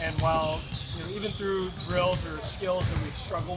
dan meskipun melalui dribbling atau kemampuan yang kita lakukan